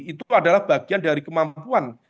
itu adalah bagian dari kemampuan